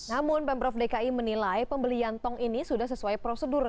namun pemprov dki menilai pembelian tong ini sudah sesuai prosedur